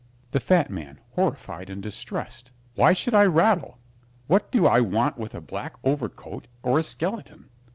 THE FAT MAN (horrified and distressed) Why should I rattle? What do I want with a black overcoat or a skeleton?